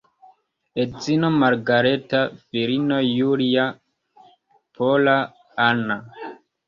Edzino Margareta, filinoj Julia, Pola, Hanna.